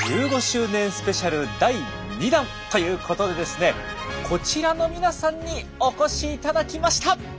１５周年スペシャル第２弾ということでですねこちらの皆さんにお越しいただきました。